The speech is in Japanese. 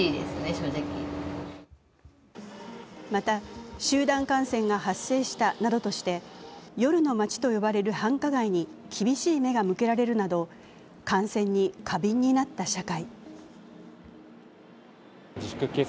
また、集団感染が発生したなどとして夜の街と呼ばれる繁華街に厳しい目が向けられるなど感染に過敏になった社会。